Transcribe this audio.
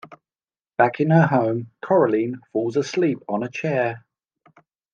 Back in her home, Coraline falls asleep on a chair.